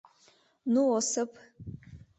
Ну, Осып!